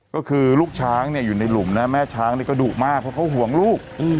ก็คือลูกช้างอยู่ในหลุมนะแม่ช้างก็ดุมากเพราะเขาห่วงลูก